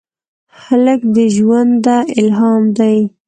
هلک د ژونده الهام دی.